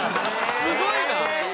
すごいな！